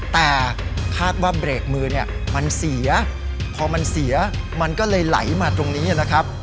แต่คาดว่าเบรกมือเนี่ยมันเสียพอมันเสียมันก็เลยไหลมาตรงนี้นะครับ